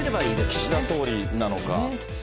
岸田総理なのか。